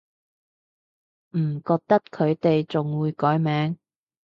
唔覺得佢哋仲會改名